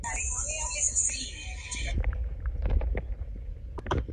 Se calcula que la banda en Canals comenzó antes de la Guerra civil española.